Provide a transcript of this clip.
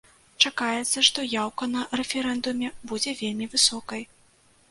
Чакаецца, што яўка на рэферэндуме будзе вельмі высокай.